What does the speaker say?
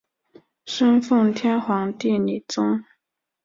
生奉天皇帝李琮。